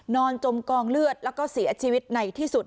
จมกองเลือดแล้วก็เสียชีวิตในที่สุด